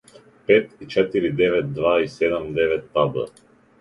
пет и четири девет два и седам девет табла